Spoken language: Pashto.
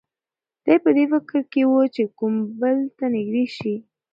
دی په دې فکر کې و چې کوم پل ته نږدې شي.